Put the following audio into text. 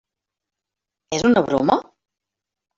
És una broma?